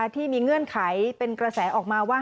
เงื่อนไขเป็นกระแสออกมาว่า